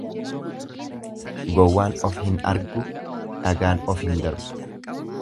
Gowwaan of hin argu, dhagaan of hin darbu.